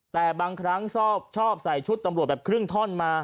แต่บางครั้งชอบใส่ชุดตำรวจแบบครึ่งท่อนมา